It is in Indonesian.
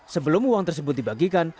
sebelum uang tersebut dibagikan